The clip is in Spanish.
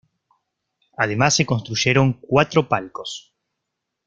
Además se construyeron cuatro palcos.